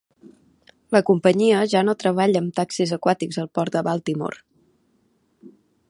La companyia ja no treballa amb taxis aquàtics al port de Baltimore.